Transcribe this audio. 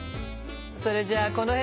それじゃあこの辺で。